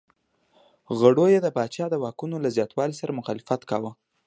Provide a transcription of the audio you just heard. غړو یې د پاچا د واکونو له زیاتوالي سره مخالفت کاوه.